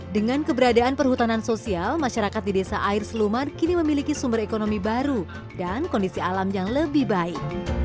dengan keberadaan perhutanan sosial masyarakat di desa air selumar kini memiliki sumber ekonomi baru dan kondisi alam yang lebih baik